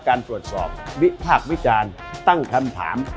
การตรวจสอบวิพากษ์วิจารณ์ตั้งคำถาม